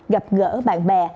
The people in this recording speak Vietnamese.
gặp gỡ bạn bè